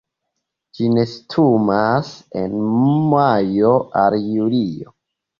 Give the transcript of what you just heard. Ĝi nestumas en majo al julio.